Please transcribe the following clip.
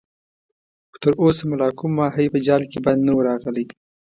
خو تر اوسه مو لا کوم ماهی په جال کې بند نه وو راغلی.